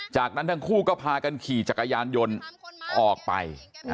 จากนั้นทั้งคู่ก็พากันขี่จักรยานยนต์ออกไป